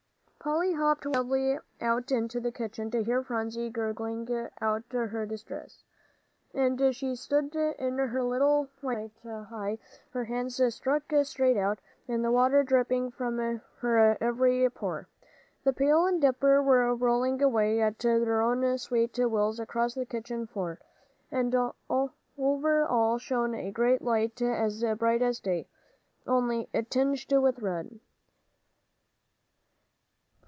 Polly hopped wildly out into the kitchen, to hear Phronsie gurgling out her distress, as she stood in her little white nightie, her hands stuck straight out, and the water dripping from her every pore. The pail and dipper were rolling away at their own sweet wills across the old kitchen floor. And over all shone a great light as bright as day, only it was tinged with red.